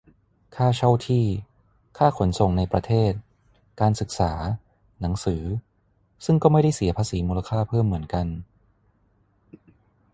ค่าเช่าที่ ค่าขนส่งในประเทศ การศึกษา หนังสือ ซึ่งก็ไม่ได้เสียภาษีมูลค่าเพิ่มเหมือนกัน